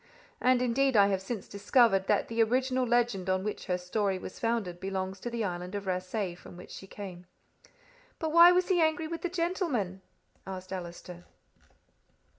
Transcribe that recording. And indeed I have since discovered that the original legend on which her story was founded belongs to the island of Rasay, from which she came. "But why was he angry with the gentleman?" asked Allister.